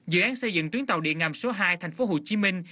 dự án xây dựng tuyến tàu điện ngầm số hai thành phố hồ chí minh